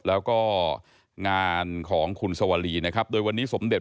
แล้วก็งานของคุณสวรีนะครับโดยวันนี้สมเด็จ